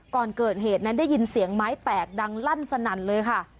ก่อนเกิดเหตุนั้นได้ยินเสียงไม้แตกดังลั่นสนั่นเลยค่ะ